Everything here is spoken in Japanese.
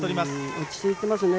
落ち着いてますね。